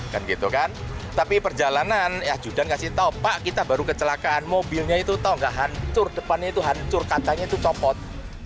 kan gitu kan tapi perjalanan ya judan kasih tahu pak kita baru kecelakaan mobilnya itu tahu nggak hancur depannya itu hancur katanya itu copot